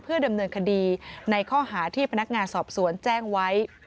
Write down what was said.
ดำเนินคดีในข้อหาที่พนักงานสอบสวนแจ้งไว้